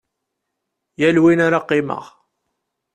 Yal win ara qqimeɣ.